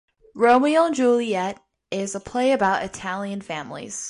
"Romeo and Juliet" is a play about Italian families.